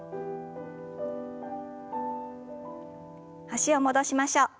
脚を戻しましょう。